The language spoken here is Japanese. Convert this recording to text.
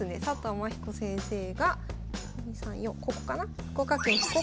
天彦先生がここかな。